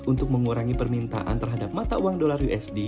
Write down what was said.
untuk mengurangi permintaan terhadap mata uang dolar usd